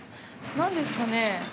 何ですかね。